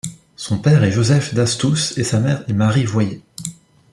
Son père est Joseph D'Astous et sa mère est Marie Voyer.